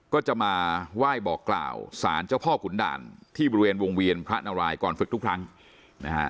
ก็จะมาไหว้บอกกล่าวสารเจ้าพ่อขุนด่านที่บริเวณวงเวียนพระนารายก่อนฝึกทุกครั้งนะฮะ